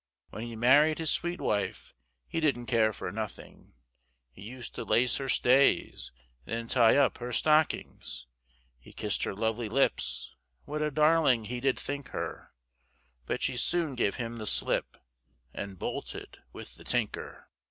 When he married his sweet wife He didn't care for nothing, He used to lace her stays, And then tie up her stockings He kissed her lovely lips, What a darling he did think her, But she soon gave him the slip, And bolted with the tinker.